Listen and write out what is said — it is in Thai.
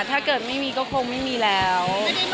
ถ้าไม่มีก็ไม่มีแล้ว